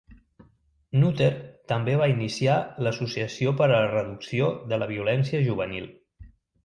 Nutter també va iniciar l'Associació per a la Reducció de la Violència Juvenil.